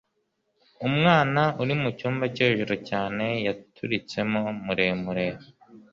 umwana uri mucyumba cyo hejuru cyane yaturitsemo muremure